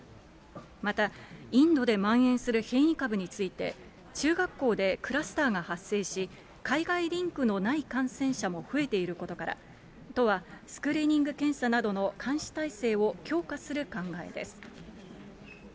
また、インドでまん延する変異株について、中学校でクラスターが発生し、海外リンクのない感染者も増えていることから、都はスクリーニング検査などの監視体制を強化する考えです。